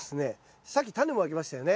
さっきタネをまきましたよね。